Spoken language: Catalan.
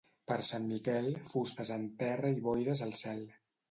Per Sant Miquel, fustes en terra i boires al cel.